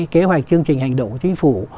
kế hoạch chương trình hành động của chính phủ